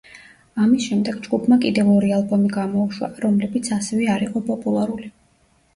ამის შემდეგ ჯგუფმა კიდევ ორი ალბომი გამოუშვა, რომლებიც ასევე არ იყო პოპულარული.